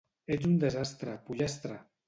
Ets un desastre, pollastre!